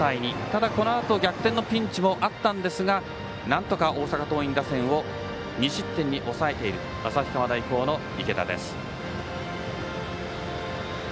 ただ、このあと逆点のピンチもありましたがなんとか大阪桐蔭打線を２失点に抑えている旭川大高の池田です。